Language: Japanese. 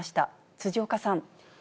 辻岡さん。